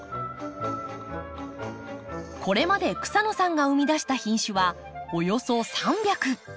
これまで草野さんが生み出した品種はおよそ３００！